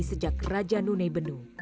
sejak raja nune benu